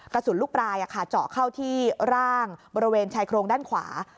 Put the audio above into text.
กระสุนลูกปลายเจาะเข้าที่ร่างบริเวณชายโครงด้านขวา